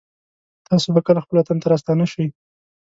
تاسو به کله خپل وطن ته راستانه شئ